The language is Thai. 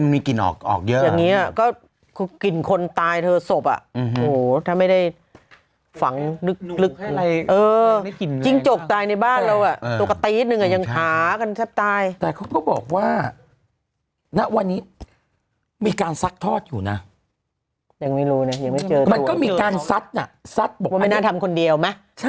มาเดี๋ยวก็รู้เอ็มใช่ไหมตอนแรกเอ่อเอ็มใช่ไหมชื่อเอ็มใช่ไหมในเอ็ม